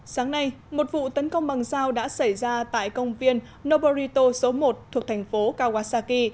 sáng nay một vụ tấn công bằng dao đã xảy ra tại công viên noborito số một thuộc thành phố kawasaki